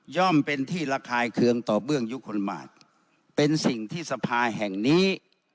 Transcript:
เป็นที่ระคายเคืองต่อเบื้องยุคลบาทเป็นสิ่งที่สภาแห่งนี้